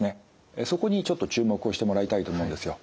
そこにちょっと注目をしてもらいたいと思うんですよ。